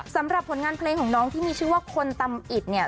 สำหรับผลงานเพลงของน้องที่มีชื่อว่าคนตำอิดเนี่ย